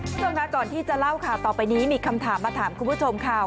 คุณผู้ชมค่ะก่อนที่จะเล่าข่าวต่อไปนี้มีคำถามมาถามคุณผู้ชมค่ะ